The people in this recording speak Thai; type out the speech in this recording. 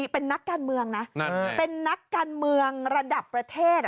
เป็นนักการเมืองนะเป็นนักการเมืองระดับประเทศ